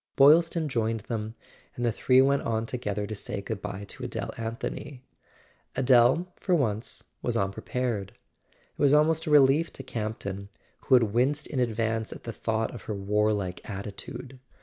Boylston joined them, and the three went on to¬ gether to say goodbye to Adele Anthony. Adele, for once, was unprepared: it was almost a relief to Camp ton, who had winced in advance at the thought of her ■warlike attitude.